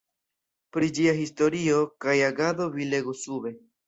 Pri ĝia historio kaj agado vi legu sube.